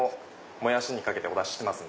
モヤシにかけてお出ししてます。